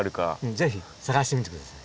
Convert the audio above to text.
ぜひ探してみてください。